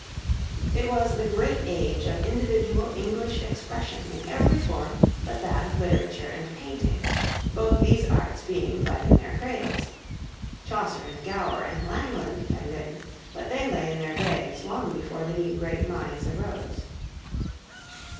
It was the great age of individual English expression in every form but that of literature and painting, both these arts being but in their cradles; Chaucer and Gower and Langland had written, but they lay in their graves long before new great minds arose.